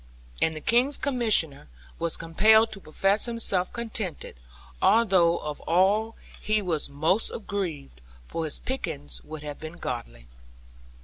And the King's Commissioner was compelled to profess himself contented, although of all he was most aggrieved; for his pickings would have been goodly.